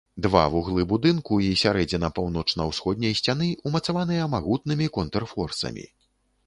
Два вуглы будынку і сярэдзіна паўночна-ўсходняй сцяны ўмацаваныя магутнымі контрфорсамі.